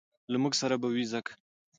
له موږ سره به وي ځکه